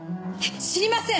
知りません！